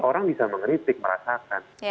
orang bisa mengkritik merasakan